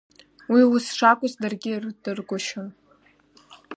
Уи ус шакәыз даргьы ирдыргәышьон.